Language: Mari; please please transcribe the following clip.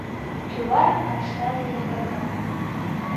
Кӱвар кашта лывырга.